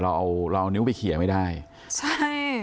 เราเอานิ้วไปเคลียร์ไม่ได้ใช่